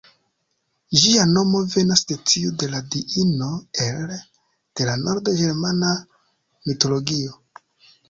Ĝia nomo venas de tiu de la diino Hel, de la nord-ĝermana mitologio.